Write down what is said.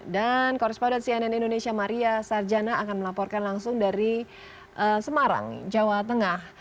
dan korresponden cnn indonesia maria sarjana akan melaporkan langsung dari semarang jawa tengah